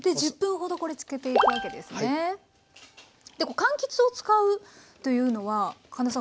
かんきつを使うというのは神田さん